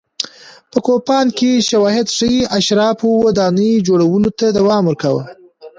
په کوپان کې شواهد ښيي اشرافو ودانۍ جوړولو ته دوام ورکاوه.